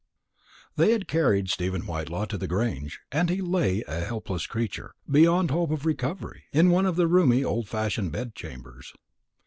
They had carried Stephen Whitelaw to the Grange; and he lay a helpless creature, beyond hope of recovery, in one of the roomy old fashioned bed chambers.